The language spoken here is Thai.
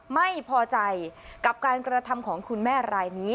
ไม่พอใจกับการกระทำของคุณแม่รายนี้